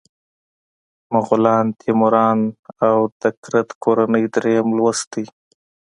مغولان، تیموریان او د کرت کورنۍ دریم لوست دی.